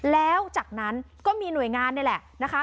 แล้วจากนั้นก็มีหน่วยงานนี่แหละนะคะ